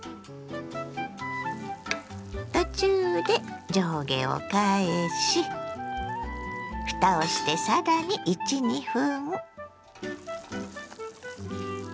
途中で上下を返しふたをしてさらに１２分。